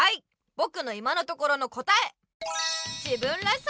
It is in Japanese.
ぼくの今のところの答え！